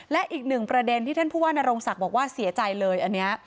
และอีกหนึ่งประเด็นที่ท่านผู้ว่านโรงศักดิ์บอกว่าเสียใจเลยอันนี้